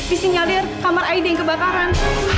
ini nyadir kamar aida yang kebakaran